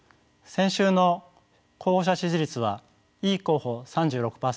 先週の候補者支持率はイ候補３６％